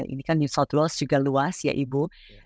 ini kan new south wales juga luas ya ibu